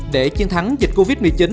để chiến thắng dịch covid một mươi chín